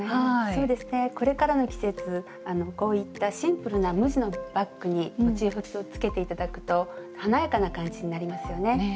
そうですねこれからの季節こういったシンプルな無地のバッグにモチーフをつけて頂くと華やかな感じになりますよね。